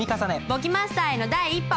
簿記マスターへの第一歩。